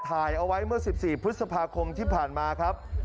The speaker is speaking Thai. ถ่ายเอาไว้เมื่อ๑๔พฤษภาคมที่ผ่านมาครับ